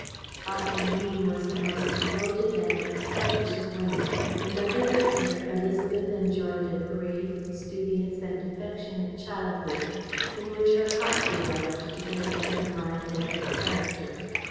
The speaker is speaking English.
Aunt Aline was the most devoted and unselfish of women; and under her care Élisabeth enjoyed a grave, studious and affectionate childhood in which her heart developed together with her mind and her character.